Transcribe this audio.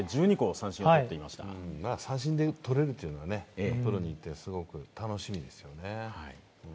三振で取れるというのは、プロに行ってすごく楽しみですよね。